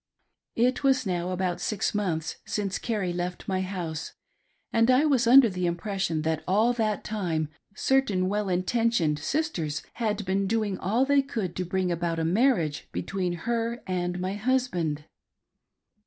It was now about six months since Carrie left my house, and I was under the impression that all that time certain well intentioned sisters had been doing all they could to bring about a marriage between her and my husband.